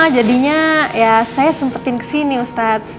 jadinya ya saya sempetin kesini ustadz